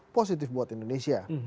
positif buat indonesia